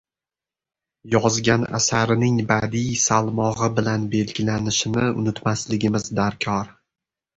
yozgan asarining badiiy salmog‘i bilan belgilanishini unutmasligimiz darkor.